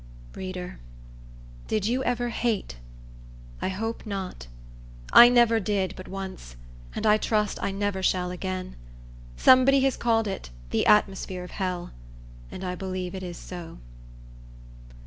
Reader, did you ever hate? I hope not. I never did but once; and I trust I never shall again. Somebody has called it "the atmosphere of hell;" and I believe it is so.